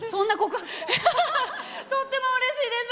とってもうれしいです！